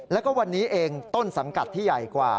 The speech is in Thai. แล้วก็วันนี้เองต้นสังกัดที่ใหญ่กว่า